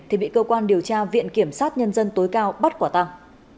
thì bị cơ quan điều tra viện kiểm sát nhân dân tối cao bắt quả tăng